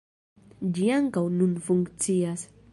Ĝi ankaŭ nun funkcias.